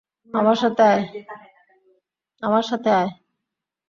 আমার সাথে আয়।